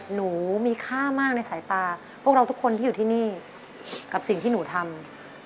หนูมีค่ามากในสายตาพวกเราทุกคนที่อยู่ที่นี่กับสิ่งที่หนูทำ